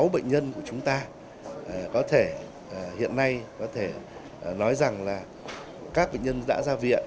sáu bệnh nhân của chúng ta có thể hiện nay có thể nói rằng là các bệnh nhân đã ra viện